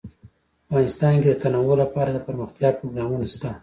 افغانستان کې د تنوع لپاره دپرمختیا پروګرامونه شته.